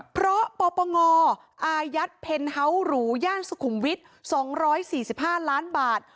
เพราะปปงอายัดเพนเฮาส์หรูย่านสุขุมวิทย์๒๔๕ล้านบาท